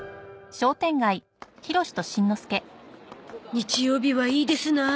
日曜日はいいですな。